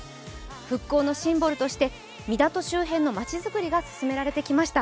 復興のシンボルとして港周辺のまちづくりが進められてきました。